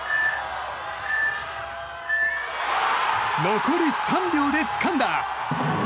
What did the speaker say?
残り３秒でつかんだ！